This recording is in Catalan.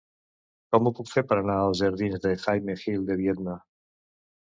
Com ho puc fer per anar als jardins de Jaime Gil de Biedma?